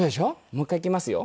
もう一回いきますよ。